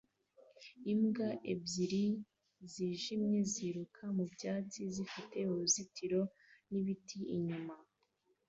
Imbwa ebyiri zijimye ziruka mu byatsi zifite uruzitiro n'ibiti inyuma